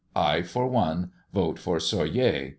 I, for one, vote for Soyer.